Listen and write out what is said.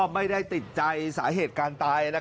ไม่ได้ติดใจสาเหตุการตาย